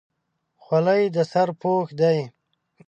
خولۍ د سر پوښ دی.